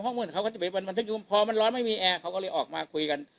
ห้องมืดเขาก็จะไปบันทึกจับกลุ่มพอมันร้อนไม่มีแอร์เขาก็เลยออกมาคุยกัน